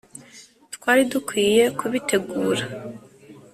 twari dukwiye kubitegura.